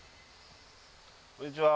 こんにちは。